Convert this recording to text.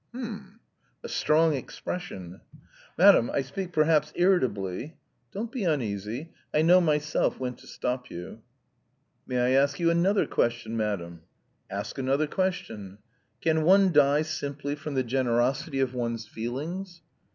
"H'm! A strong expression!" "Madam, I speak perhaps irritably...." "Don't be uneasy. I know myself when to stop you." "May I ask you another question, madam?" "Ask another question." "Can one die simply from the generosity of one's feelings?"